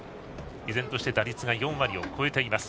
依然として打率は４割を超えています。